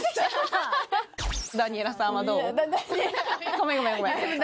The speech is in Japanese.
ごめんごめんごめん。